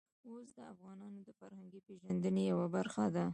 اوښ د افغانانو د فرهنګي پیژندنې یوه برخه ده.